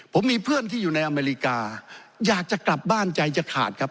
ผมมีเพื่อนที่อยู่ในอเมริกาอยากจะกลับบ้านใจจะขาดครับ